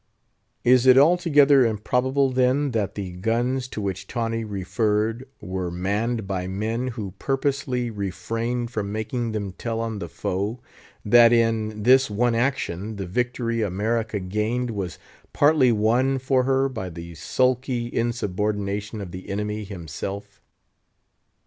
Is it altogether improbable, then, that the guns to which Tawney referred were manned by men who purposely refrained from making them tell on the foe; that, in this one action, the victory America gained was partly won for her by the sulky insubordination of the enemy himself?